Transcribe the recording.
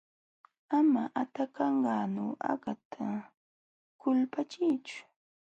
Ama akatanqanu akata kulpachiychu.